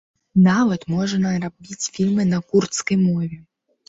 Нават можна рабіць фільмы на курдскай мове.